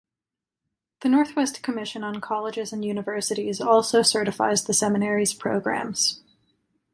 The Northwest Commission on Colleges and Universities also certifies the seminary's programs.